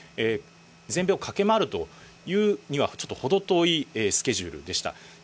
全米を駆け回るというにはちょっと程遠いスケジュールでした。